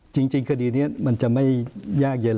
จริงคดีนี้มันจะไม่ยากเย็น